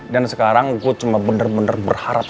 dan sekarang gue cuma bener bener berharap